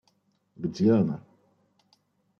Где она?